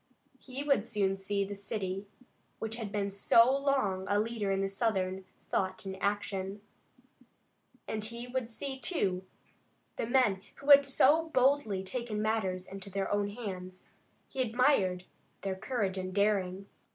He would soon see the city which had been so long a leader in Southern thought and action, and he would see, too, the men who had so boldly taken matters in their own hands. He admired their courage and daring.